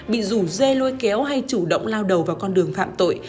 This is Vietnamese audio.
bị rủ dê lôi kéo hay chủ động lao đầu vào con đường phạm tội